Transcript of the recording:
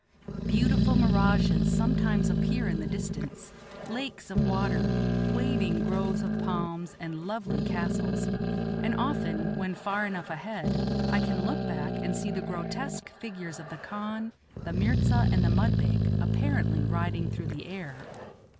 Beautiful mirages sometimes appear in the distance lakes of water, waving groves of palms, and lovely castles; and often, when far enough ahead, I can look back, and see the grotesque figures of the khan, the mirza, and the mudbake apparently riding through the air.